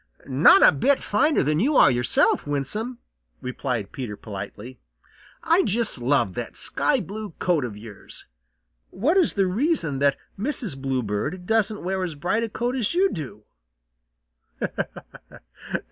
"Not a bit finer than you are yourself, Winsome," replied Peter politely. "I just love that sky blue coat of yours. What is the reason that Mrs. Bluebird doesn't wear as bright a coat as you do?"